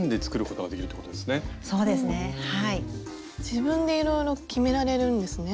自分でいろいろ決められるんですね。